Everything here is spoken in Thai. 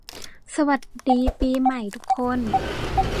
สวัสดีปีใหม่ทุกคน